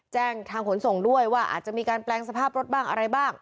แจ้งทางขนส่งด้วยว่าอาจจะมีการแปลงสภาพรถบ้างอะไรบ้าง